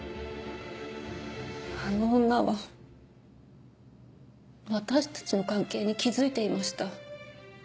あの女は私たちの関係に気付いていました。